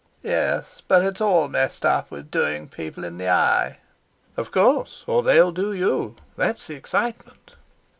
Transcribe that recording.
"Yes, but it's all messed up with doing people in the eye." "Of course, or they'll do you—that's the excitement."